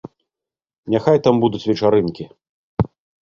Няхай там будуць вечарынкі.